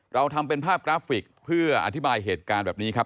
เราทำเป็นภาพกราฟิกเพื่ออธิบายเหตุการณ์แบบนี้ครับ